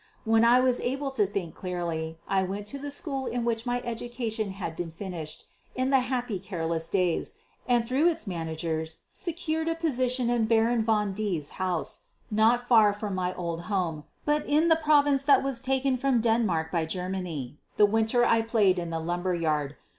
When I was able to think clearly, I went to the school in which my education had been "finished" in the happy, careless days, and through its managers secured a position in Baron von D 's house, not far from my old home, but in the province that was taken from Denmark by Germany the winter I played in the lumber yard.